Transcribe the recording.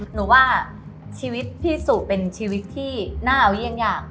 หนูว่าชีวิตพี่สุเป็นชีวิตที่น่าเอาเยี่ยงยาก